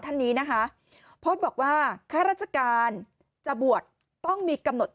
ท่านนี้นะคะโพสต์บอกว่าข้าราชการจะบวชต้องมีกำหนด